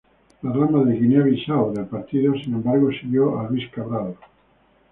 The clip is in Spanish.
La rama de Guinea-Bisáu del partido, sin embargo, siguió a Luis Cabral.